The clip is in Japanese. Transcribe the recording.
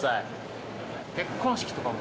結婚式とかも。